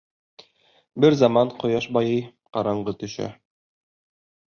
Бер заман ҡояш байый, ҡараңғы төшә.